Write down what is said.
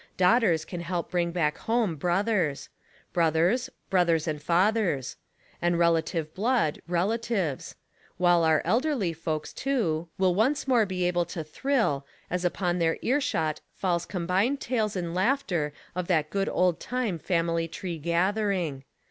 Daughters can help bring back home, brothers ; brothers, brothers and fathers; and relative blood, relatives; while our elderly folks, too, will once more be able to thrill as upon their earshot falls combined tales and laughter of that good old time family tree gathering.